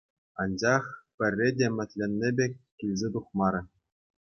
Анчах пӗрре те ӗмӗтленнӗ пек килсе тухмарӗ.